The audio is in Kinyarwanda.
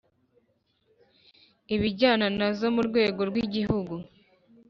ibijyana na zo mu rwego rw Igihugu